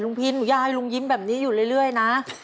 ลุงพิ้นอยากให้ลุงยิ้มแบบนี้อยู่เรื่อยนะ